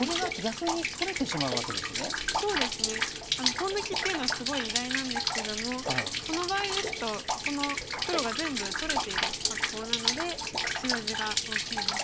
ポン抜きっていうのはすごい偉大なんですけどもこの場合ですとこの黒が全部取れている格好なので白地が大きいです。